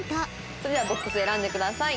それではボックスを選んでください。